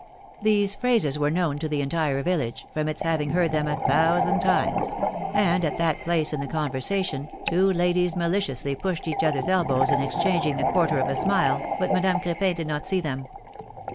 These phrases were known to the entire village, from its having heard them a thousand times; and at that place in the conversation, two ladies maliciously pushed each other's elbows in exchanging the quarter of a smile, but Madame Crepin did not see them.